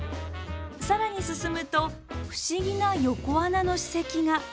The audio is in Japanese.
更に進むと不思議な横穴の史跡が。